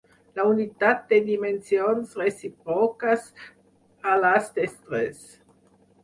La unitat té dimensions recíproques a les d'estrès.